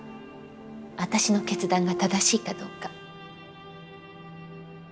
私の決断が正しいかどうか。